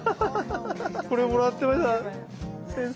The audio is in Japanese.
これもらってました先生が。